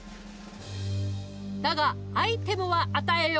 だがアイテムは与えよう。